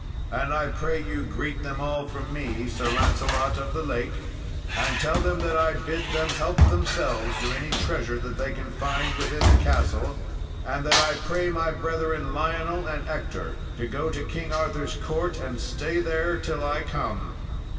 And I pray you greet them all from me, Sir Lancelot of the Lake, and tell them that I bid them help themselves to any treasures they can find within the castle; and that I pray my brethren, Lionel and Ector, to go to King Arthur's court and stay there till I come.